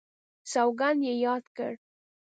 سوګند یې یاد کړ.